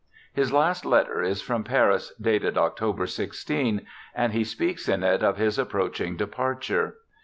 His last letter is from Paris, dated October i6, and he speaks in it of his approaching departure.